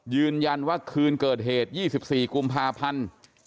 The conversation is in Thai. ยืนยันว่าคืนเกิดเหตุ๒๔กุมภาพันธ์